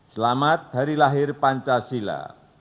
selamat hari lahir pancasila